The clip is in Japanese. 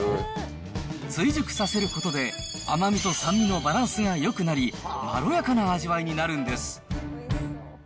追熟させることで甘みと酸味のバランスがよくなり、まろやかな味わいになるんです。